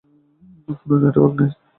ফোনে নেটওয়ার্ক নেই।